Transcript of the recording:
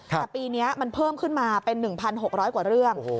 แต่ปีนี้มันเพิ่มขึ้นมาเป็น๑๖๐๐กว่าเรื่อง